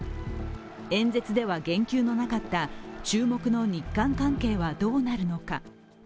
演説では言及のなかった注目の日韓関係はどうなるのか。